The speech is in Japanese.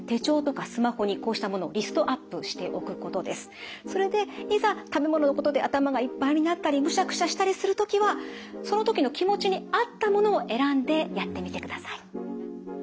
例えばそれでいざ食べ物のことで頭がいっぱいになったりむしゃくしゃしたりする時はその時の気持ちに合ったものを選んでやってみてください。